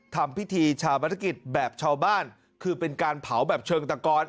ทำพิธีชาปนกิจแบบชาวบ้านคือเป็นการเผาแบบเชิงตะกอน